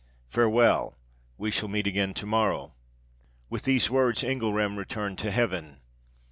Farewell! we shall meet again to morrow.' With these words Engelram returned to heaven.